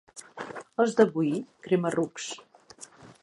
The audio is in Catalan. Els de Boí, crema-rucs.